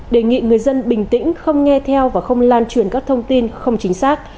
đề nghị người dân bình tĩnh không nghe theo và không lan truyền các thông tin không chính xác